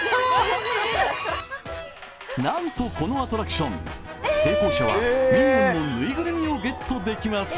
なんとこのアトラクション成功者はミニオンのぬいぐるみをゲットできます。